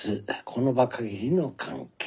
この場限りの関係。